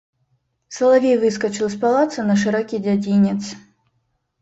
Салавей выскачыў з палаца на шырокі дзядзінец.